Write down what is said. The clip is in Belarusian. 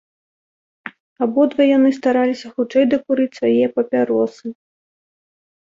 Абодва яны стараліся хутчэй дакурыць свае папяросы.